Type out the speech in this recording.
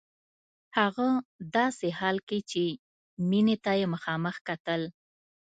هغه داسې حال کې چې مينې ته يې مخامخ کتل.